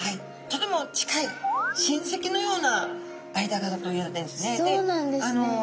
とても近い親戚のような間柄といわれているんですね。